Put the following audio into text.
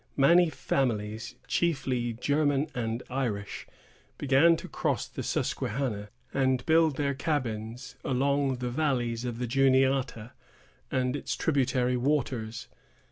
Many families, chiefly German and Irish, began to cross the Susquehanna and build their cabins along the valleys of the Juniata and its tributary waters.